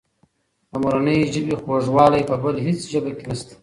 د مورنۍ ژبې خوږوالی په بله هېڅ ژبه کې نشته.